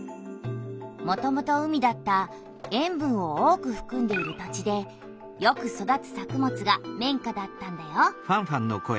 もともと海だった塩分を多くふくんでいる土地でよく育つ作物が綿花だったんだよ。